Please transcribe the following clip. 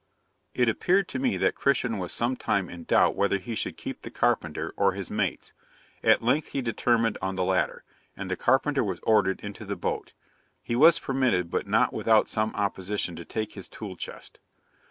It appeared to me that Christian was some time in doubt whether he should keep the carpenter, or his mates; at length he determined on the latter, and the carpenter was ordered into the boat. He was permitted, but not without some opposition, to take his tool chest.